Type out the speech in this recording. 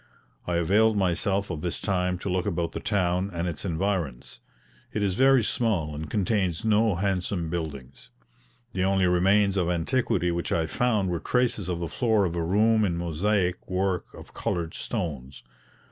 I availed myself of this time to look about the town and its environs. It is very small and contains no handsome buildings. The only remains of antiquity which I found were traces of the floor of a room in Mosaic work of coloured stones.